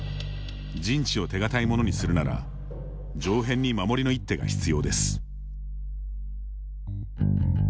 陣地を手堅いものにするなら上辺に守りの一手が必要です。